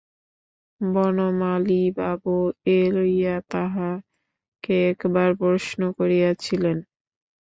বনমালীবাবু এ লইয়া তাঁহাকে একবার প্রশ্ন করিয়াছিলেন।